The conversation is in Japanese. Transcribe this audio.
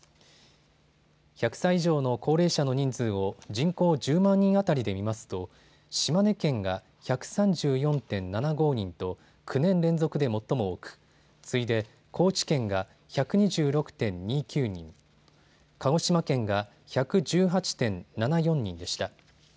１００歳以上の高齢者の人数を人口１０万人当たりで見ますと島根県が１３４．７５人と９年連続で最も多く、次いで高知県が１２６．２９人、鹿児島県が１１８．７４人でした。